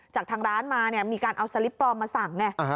จากทางร้านมาเนี่ยมีการเอาสลิปปลอมมาสั่งไง